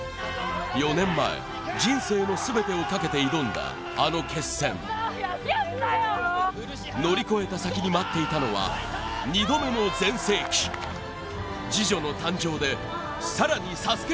４年前人生の全てをかけて挑んだあの決戦乗り越えた先に待っていたのは２度目の全盛期次女の誕生でさらにＳＡＳＵＫＥ